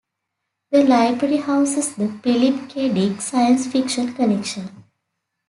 The library houses the Philip K. Dick science fiction collection.